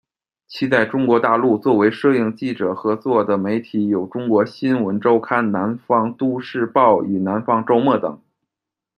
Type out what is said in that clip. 其在中国大陆，作为摄影记者合作的媒体有中国新闻周刊、南方都市报与南方周末等。